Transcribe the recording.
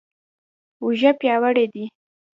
اوږه پیاوړې دي.